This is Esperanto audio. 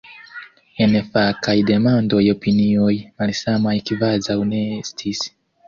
En fakaj demandoj opinioj malsamaj kvazaŭ ne estis.